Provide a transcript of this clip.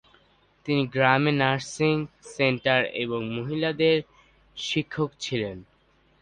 তিনি গ্রামে nursing centre এবং মহিলাদের শিক্ষক ছিলেন।